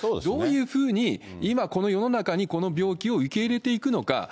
どういうふうに今、この世の中にこの病気を受け入れていくのか。